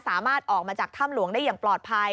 สามารถออกมาจากถ้ำหลวงได้อย่างปลอดภัย